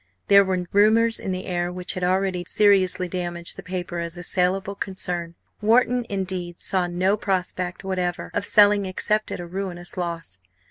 There were rumours in the air which had, already seriously damaged the paper as a saleable concern. Wharton, indeed, saw no prospect whatever of selling except at ruinous loss.